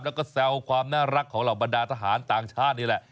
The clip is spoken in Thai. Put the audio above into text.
แล้วก็แซวความน่ารักของเหล่าบรรดาทหารต่างชาตินี่แหละ